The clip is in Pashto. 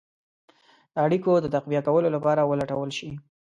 د اړېکو د تقویه کولو لپاره ولټول شي.